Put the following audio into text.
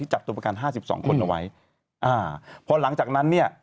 ที่จับตัวประการ๕๒คนเอาไว้พอหลังจากนั้นเนี่ย